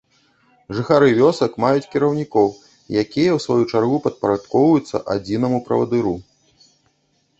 Жыхары вёсак маюць кіраўнікоў, якія ў сваю чаргу падпарадкоўваюцца адзінаму правадыру.